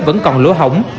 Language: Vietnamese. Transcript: vẫn còn lỗ hỏng